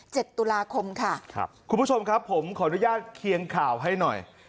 ตุลาคมค่ะครับคุณผู้ชมครับผมขออนุญาตเคียงข่าวให้หน่อย